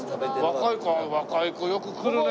若い子若い子よく来るね。